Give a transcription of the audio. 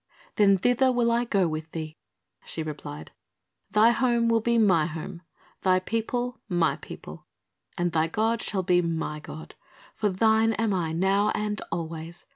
"Then thither will I go with thee," she replied, "thy home will be my home, thy people my people and thy God shall be my God, for thine am I now and always.